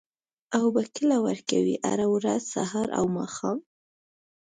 اوبه کله ورکوئ؟ هره ورځ، سهار او ماښام